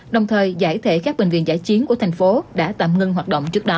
đồng thời giải thể các bệnh viện giải chiến của thành phố đã tạm ngưng hoạt động trước đó